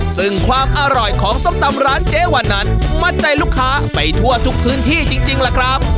ซึ่งความอร่อยของส้มตำร้านเจ๊วันนั้นมัดใจลูกค้าไปทั่วทุกพื้นที่จริงล่ะครับ